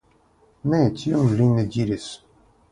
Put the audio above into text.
Ne, tion li ne diris.